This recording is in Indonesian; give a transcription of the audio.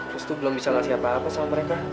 rostu belum bisa ngasih apa apa sama mereka